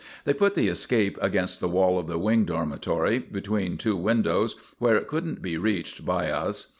They put the escape against the wall of the Wing Dormitory, between two windows, where it couldn't be reached by us.